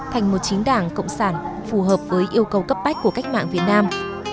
thành một chính đảng cộng sản phù hợp với yêu cầu cấp bách của cách mạng việt nam